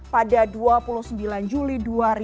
pada dua puluh sembilan juli dua ribu sembilan belas